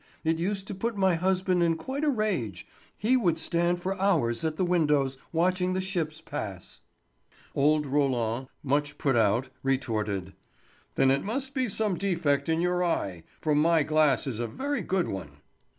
It used to put my husband in quite a rage; he would stand for hours at the windows watching the ships pass." Old Roland, much put out, retorted: "Then it must be some defect in your eye, for my glass is a very good one."